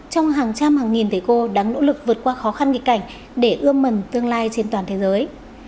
trong hàng trăm hàng nghìn thể cô đáng nỗ lực vượt qua khó khăn nghịch cảnh để ưa mần tương lai trên toàn thế giới